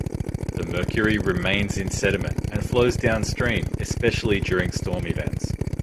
The mercury remains in sediment and flows downstream, especially during storm events.